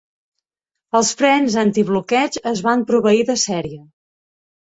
Els frens anti-bloqueig es van proveir de sèrie.